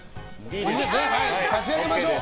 差し上げましょう！